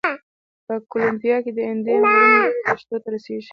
په کولمبیا کې د اندین غرونو لړۍ دښتو ته رسېږي.